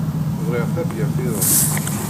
Bɣiɣ tabyirt-iḍen.